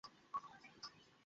সে আবার ভিতরে নিয়ে আসছে কেন?